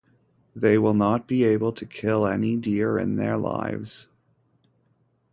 They will not be able to kill any deer in their lives.